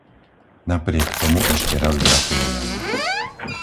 Napriek tomu ešte raz gratulujem.